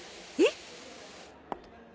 えっ？